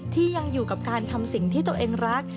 ที่ยังอยู่กับการทำสิ่งที่ตัวเองรัก